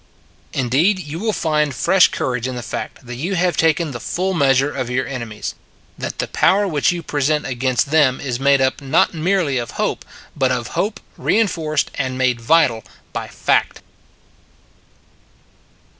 Indeed, you will find fresh courage in the fact that you have taken the full meas ure of your enemies that the power which you present against them is made up not merely of hope, but of hope rein forced and made vital by fact.